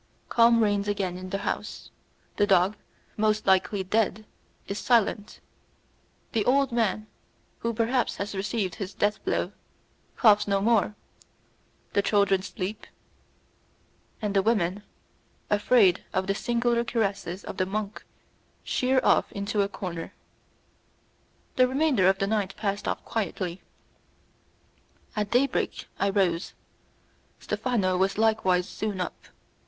Calm reigns again in the house, the dog, most likely dead, is silent; the old man, who perhaps has received his death blow, coughs no more; the children sleep, and the women, afraid of the singular caresses of the monk, sheer off into a corner; the remainder of the night passed off quietly. At day break I rose; Stephano was likewise soon up.